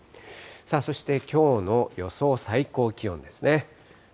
そして、きょうの予想最高気温ですね。